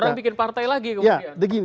orang bikin partai lagi kemudian